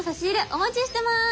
お待ちしてます。